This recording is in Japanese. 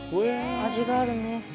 味があるね。